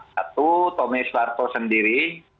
satu tommy suharto sendiri